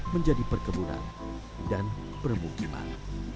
menjadi perkebunan dan permukiman